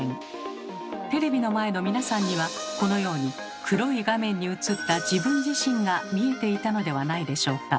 テレビの前の皆さんにはこのように黒い画面に映った自分自身が見えていたのではないでしょうか。